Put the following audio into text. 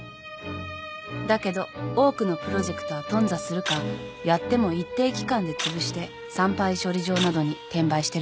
だけど多くのプロジェクトは頓挫するかやっても一定期間でつぶして産廃処理場などに転売してるわ。